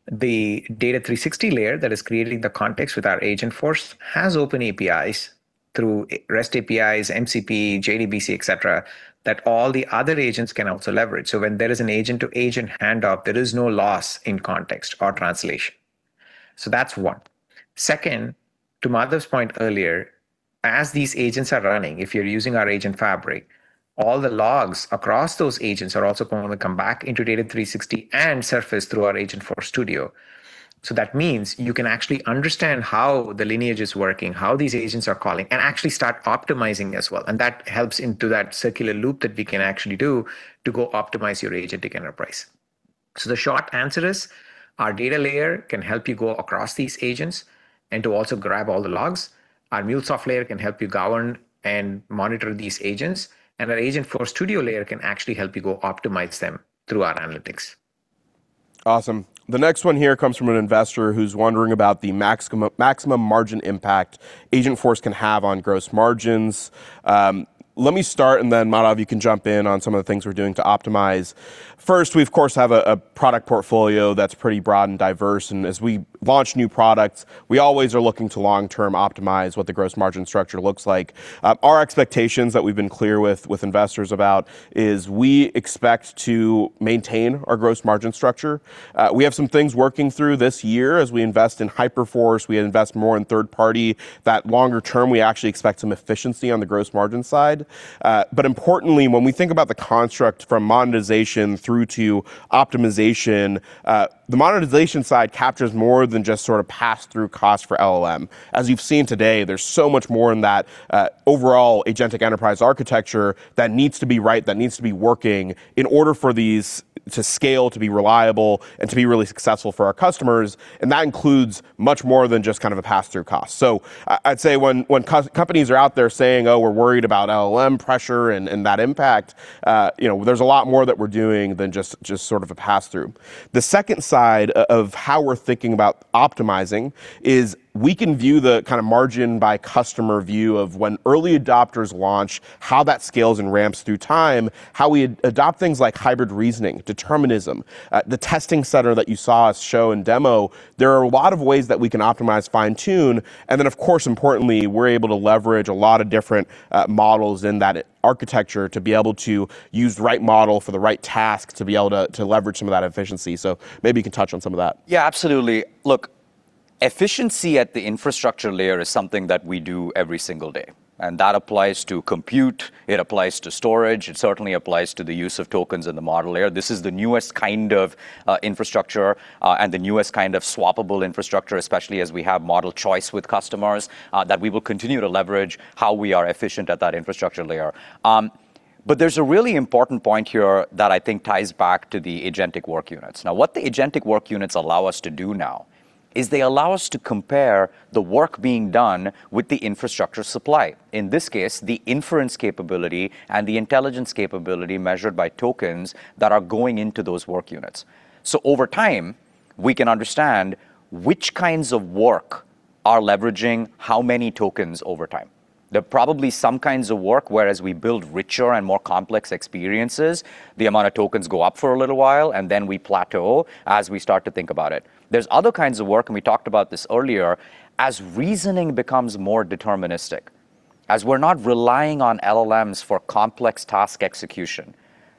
the Data 360 layer that is creating the context with our Agentforce has open APIs through REST APIs, MCP, JDBC, et cetera, that all the other agents can also leverage. So when there is an agent-to-agent handoff, there is no loss in context or translation. So that's one. Second, to Madhav's point earlier, as these agents are running, if you're using our Agent Fabric, all the logs across those agents are also gonna come back into Data 360 and surface through our Agentforce Studio. So that means you can actually understand how the lineage is working, how these agents are calling, and actually start optimizing as well, and that helps into that circular loop that we can actually do to go optimize your agentic enterprise. The short answer is, our data layer can help you go across these agents and to also grab all the logs. Our MuleSoft layer can help you govern and monitor these agents, and our Agentforce Studio layer can actually help you go optimize them through our analytics. Awesome. The next one here comes from an investor who's wondering about the maximum margin impact Agentforce can have on gross margins. Let me start, and then, Madhav Thattai, you can jump in on some of the things we're doing to optimize. First, we, of course, have a product portfolio that's pretty broad and diverse, and as we launch new products, we always are looking to long-term optimize what the gross margin structure looks like. Our expectations that we've been clear with investors about is we expect to maintain our gross margin structure. We have some things working through this year. As we invest in Hyperforce, we invest more in third party. That longer term, we actually expect some efficiency on the gross margin side. Importantly, when we think about the construct from monetization through to optimization, the monetization side captures more than just sort of pass-through cost for LLM. As you've seen today, there's so much more in that overall agentic enterprise architecture that needs to be right, that needs to be working in order for these to scale, to be reliable, and to be really successful for our customers, and that includes much more than just kind of a pass-through cost. I'd say when companies are out there saying, "Oh, we're worried about LLM pressure and that impact," you know, there's a lot more that we're doing than just sort of a pass-through. The second side of how we're thinking about optimizing is we can view the kind of margin by customer view of when early adopters launch, how that scales and ramps through time, how we adopt things like hybrid reasoning, determinism, the Testing Center that you saw us show in demo. There are a lot of ways that we can optimize, fine-tune, and then, of course, importantly, we're able to leverage a lot of different models in that architecture to be able to use the right model for the right task, to be able to leverage some of that efficiency. Maybe you can touch on some of that. Yeah, absolutely. Look, efficiency at the infrastructure layer is something that we do every single day, and that applies to compute, it applies to storage, it certainly applies to the use of tokens in the model layer. This is the newest kind of infrastructure, and the newest kind of swappable infrastructure, especially as we have model choice with customers, that we will continue to leverage how we are efficient at that infrastructure layer. There's a really important point here that I think ties back to the Agentic Work Units. What the Agentic Work Units allow us to do now is they allow us to compare the work being done with the infrastructure supply, in this case, the inference capability and the intelligence capability measured by tokens that are going into those work units. Over time, we can understand which kinds of work are leveraging how many tokens over time. There are probably some kinds of work where as we build richer and more complex experiences, the amount of tokens go up for a little while, and then we plateau as we start to think about it. There's other kinds of work, We talked about this earlier, as reasoning becomes more deterministic, as we're not relying on LLMs for complex task execution,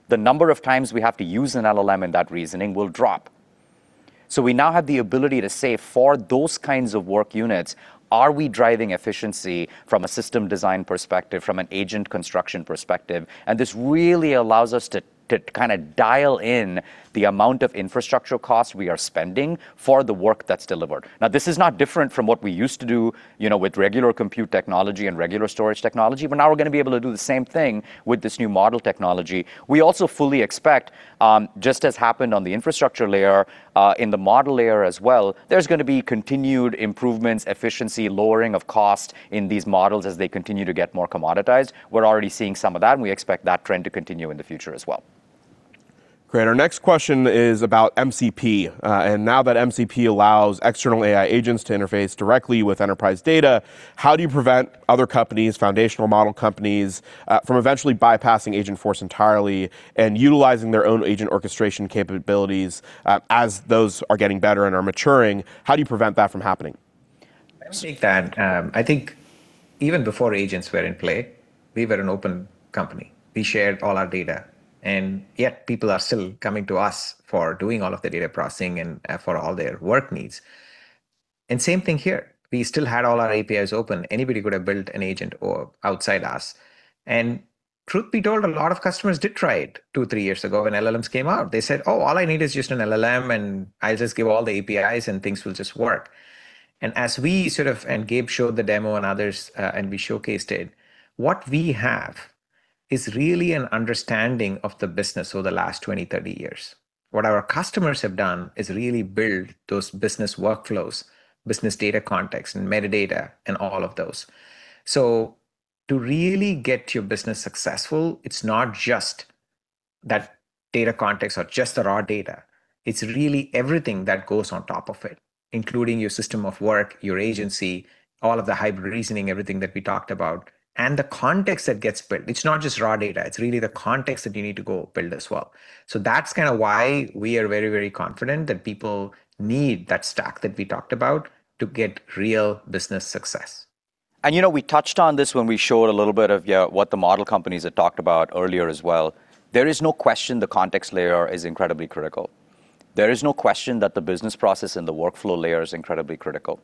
the number of times we have to use an LLM in that reasoning will drop. We now have the ability to say for those kinds of work units, are we driving efficiency from a system design perspective, from an agent construction perspective? This really allows us to kind of dial in the amount of infrastructure costs we are spending for the work that's delivered. Now, this is not different from what we used to do, you know, with regular compute technology and regular storage technology, but now we're going to be able to do the same thing with this new model technology. We also fully expect, just as happened on the infrastructure layer, in the model layer as well, there's going to be continued improvements, efficiency, lowering of cost in these models as they continue to get more commoditized. We're already seeing some of that, and we expect that trend to continue in the future as well. Great. Our next question is about MCP. Now that MCP allows external AI agents to interface directly with enterprise data, how do you prevent other companies, foundational model companies, from eventually bypassing Agentforce entirely and utilizing their own agent orchestration capabilities, as those are getting better and are maturing? How do you prevent that from happening? I think that, I think even before agents were in play, we were an open company. We shared all our data, yet people are still coming to us for doing all of the data processing for all their work needs. Same thing here. We still had all our APIs open. Anybody could have built an agent or outside us. Truth be told, a lot of customers did try it two, three years ago when LLMs came out. They said: "Oh, all I need is just an LLM, and I'll just give all the APIs and things will just work." Gabe showed the demo and others, and we showcased it. What we have is really an understanding of the business over the last 20, 30 years. What our customers have done is really build those business workflows, business data context, and metadata, and all of those. To really get your business successful, it's not just that data context or just the raw data, it's really everything that goes on top of it, including your system of work, your agency, all of the hybrid reasoning, everything that we talked about, and the context that gets built. It's not just raw data, it's really the context that you need to go build as well. That's kind of why we are very, very confident that people need that stack that we talked about to get real business success. You know, we touched on this when we showed a little bit of, yeah, what the model companies had talked about earlier as well. There is no question the context layer is incredibly critical. There is no question that the business process and the workflow layer is incredibly critical.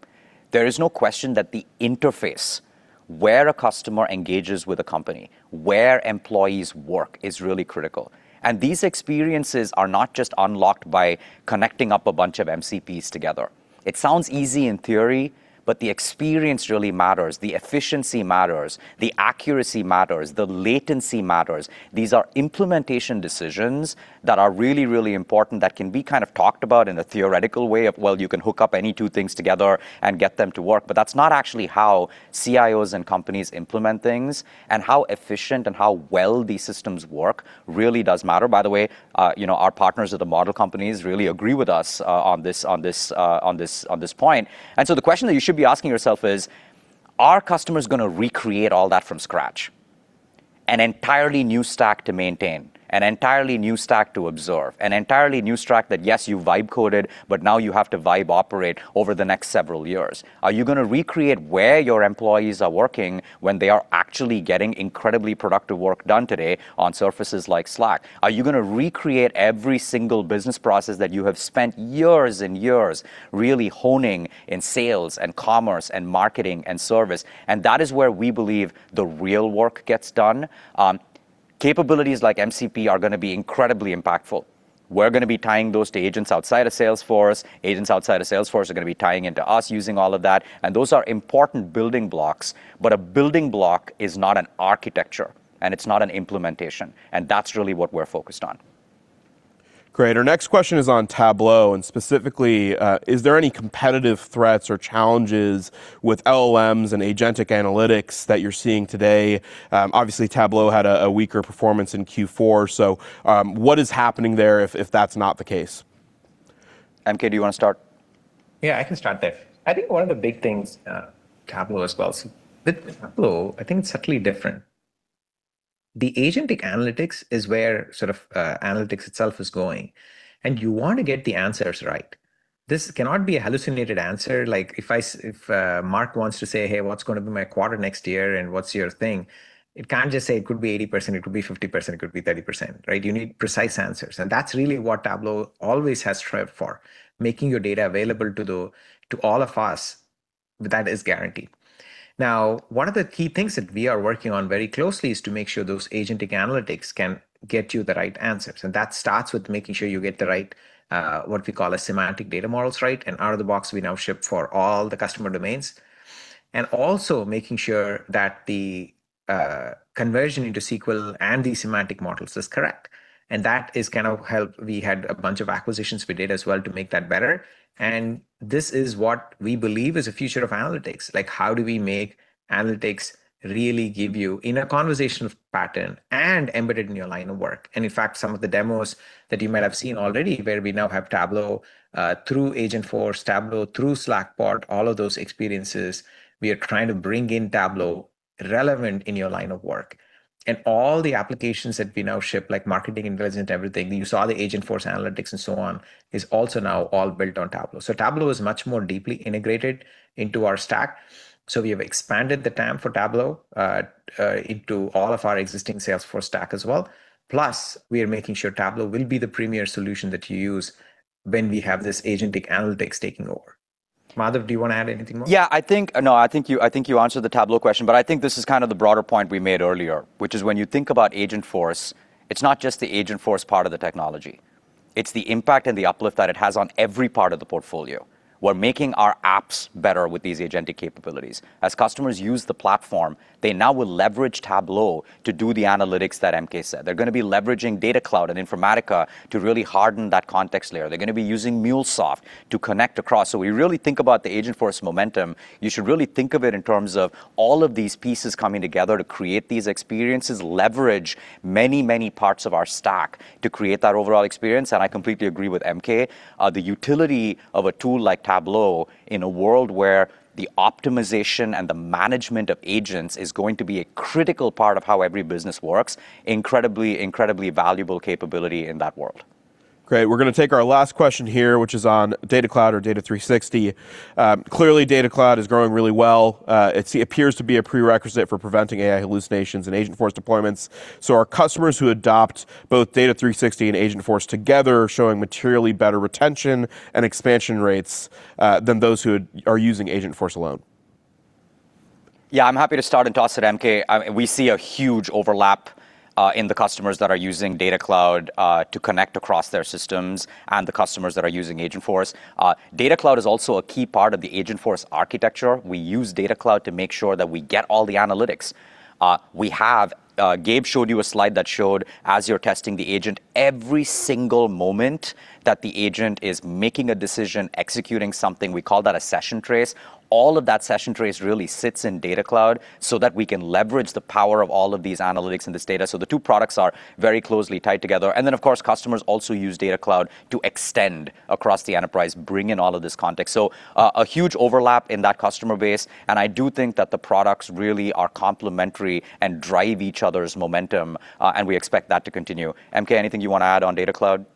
There is no question that the interface where a customer engages with a company, where employees work, is really critical. These experiences are not just unlocked by connecting up a bunch of MCPs together. It sounds easy in theory, but the experience really matters, the efficiency matters, the accuracy matters, the latency matters. These are implementation decisions that are really, really important, that can be kind of talked about in a theoretical way of, well, you can hook up any two things together and get them to work, but that's not actually how CIOs and companies implement things. How efficient and how well these systems work really does matter. By the way, you know, our partners at the model companies really agree with us, on this point. The question that you should be asking yourself is: Are customers going to recreate all that from scratch? An entirely new stack to maintain, an entirely new stack to absorb, an entirely new stack that, yes, you vibe coded, but now you have to vibe operate over the next several years. Are you going to recreate where your employees are working when they are actually getting incredibly productive work done today on surfaces like Slack? Are you going to recreate every single business process that you have spent years and years really honing in sales, and commerce, and marketing, and service? That is where we believe the real work gets done. Capabilities like MCP are going to be incredibly impactful. We're going to be tying those to agents outside of Salesforce. Agents outside of Salesforce are going to be tying into us, using all of that, and those are important building blocks. A building block is not an architecture, and it's not an implementation, and that's really what we're focused on. Great. Our next question is on Tableau. Specifically, is there any competitive threats or challenges with LLMs and agentic analytics that you're seeing today? Obviously, Tableau had a weaker performance in Q4. What is happening there if that's not the case? MK, do you want to start? Yeah, I can start there. I think one of the big things, Tableau as well. With Tableau, I think it's subtly different. The agentic analytics is where sort of analytics itself is going, and you want to get the answers right. This cannot be a hallucinated answer, like if Mark wants to say: "Hey, what's going to be my quarter next year, and what's your thing?" It can't just say it could be 80%, it could be 50%, it could be 30%, right? You need precise answers, and that's really what Tableau always has strived for, making your data available to all of us. That is guaranteed. One of the key things that we are working on very closely is to make sure those agentic analytics can get you the right answers, and that starts with making sure you get the right, what we call a semantic data models right, and out of the box, we now ship for all the customer domains and also making sure that the conversion into SQL and the semantic models is correct, and that is kind of how we had a bunch of acquisitions for data as well to make that better. This is what we believe is the future of analytics. Like, how do we make analytics really give you in a conversational pattern and embedded in your line of work? In fact, some of the demos that you might have seen already, where we now have Tableau, through Agentforce, Tableau through Slackbot, all of those experiences, we are trying to bring in Tableau relevant in your line of work. All the applications that we now ship, like marketing and business, everything, you saw the Agentforce analytics and so on, is also now all built on Tableau. Tableau is much more deeply integrated into our stack, so we have expanded the TAM for Tableau into all of our existing Salesforce stack as well. Plus, we are making sure Tableau will be the premier solution that you use when we have this agentic analytics taking over. Madhav, do you want to add anything more? I think you answered the Tableau question, but I think this is kind of the broader point we made earlier, which is when you think about Agentforce, it's not just the Agentforce part of the technology, it's the impact and the uplift that it has on every part of the portfolio. We're making our apps better with these agentic capabilities. As customers use the platform, they now will leverage Tableau to do the analytics that MK said. They're gonna be leveraging Data Cloud and Informatica to really harden that context layer. They're gonna be using MuleSoft to connect across. When you really think about the Agentforce momentum, you should really think of it in terms of all of these pieces coming together to create these experiences. Leverage many, many parts of our stack to create that overall experience. I completely agree with MK, the utility of a tool like Tableau in a world where the optimization and the management of agents is going to be a critical part of how every business works, incredibly valuable capability in that world. Great! We're gonna take our last question here, which is on Data Cloud or Data 360. Clearly, Data Cloud is growing really well. It's appears to be a prerequisite for preventing AI hallucinations in Agentforce deployments. Are customers who adopt both Data 360 and Agentforce together showing materially better retention and expansion rates, than those who are using Agentforce alone? Yeah, I'm happy to start and toss it to MK. We see a huge overlap in the customers that are using Data Cloud to connect across their systems and the customers that are using Agentforce. Data Cloud is also a key part of the Agentforce architecture. We use Data Cloud to make sure that we get all the analytics. Gabe showed you a slide that showed as you're testing the agent, every single moment that the agent is making a decision, executing something, we call that a session tracing. All of that session tracing really sits in Data Cloud so that we can leverage the power of all of these analytics in this data. The two products are very closely tied together. Of course, customers also use Data Cloud to extend across the enterprise, bring in all of this context. A huge overlap in that customer base, and I do think that the products really are complementary and drive each other's momentum, and we expect that to continue. MK, anything you want to add on Data Cloud?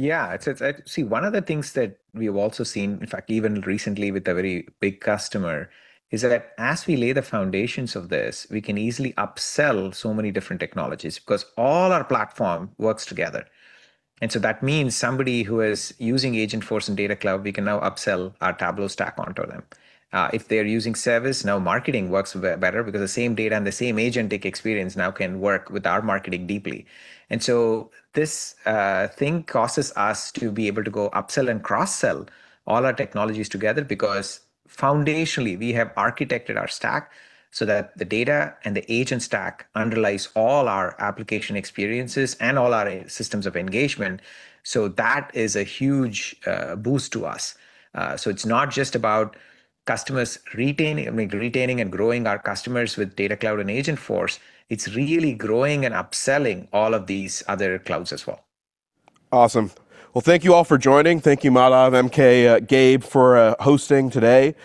Yeah, it's. See, one of the things that we have also seen, in fact, even recently with a very big customer, is that as we lay the foundations of this, we can easily upsell so many different technologies, because all our platform works together. That means somebody who is using Agentforce and Data Cloud, we can now upsell our Tableau stack onto them. If they're using Service, now Marketing works better because the same data and the same agentic experience now can work with our marketing deeply. This thing causes us to be able to go upsell and cross-sell all our technologies together because foundationally, we have architected our stack so that the data and the agent stack underlies all our application experiences and all our systems of engagement. That is a huge boost to us. It's not just about customers retaining. I mean, retaining and growing our customers with Data Cloud and Agentforce, it's really growing and upselling all of these other clouds as well. Awesome. Well, thank you all for joining. Thank you, Madhav, MK, Gabe, for hosting today.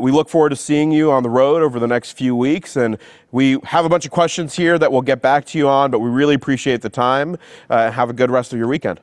We look forward to seeing you on the road over the next few weeks, and we have a bunch of questions here that we'll get back to you on, but we really appreciate the time. Have a good rest of your weekend.